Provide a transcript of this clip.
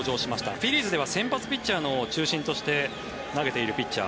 フィリーズでは先発ピッチャーの中心として投げているピッチャー。